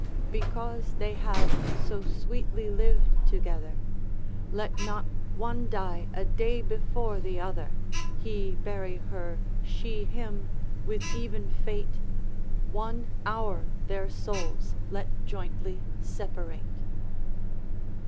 Because they have so sweetly liv'd together, Let not one die a day before the other, He bury her, she him, with even fate, One hour their souls let jointly separate.